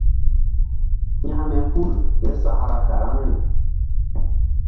Hȩkme hul késakra karaŋri.